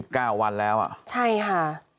เก้าวันแล้วอ่ะใช่ค่ะ